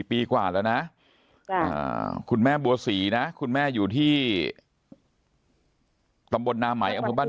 จะ๔ปีกว่าแล้วนะคุณแม่บัวสีนะคุณแม่อยู่ที่ตำบลนามไหมบ้าน